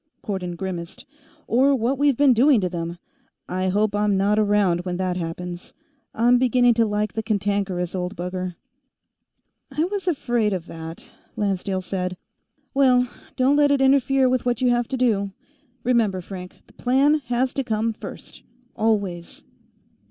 _" Cardon grimaced. "Or what we've been doing to him. I hope I'm not around when that happens. I'm beginning to like the cantankerous old bugger." "I was afraid of that," Lancedale said. "Well, don't let it interfere with what you have to do. Remember, Frank; the Plan has to come first, always."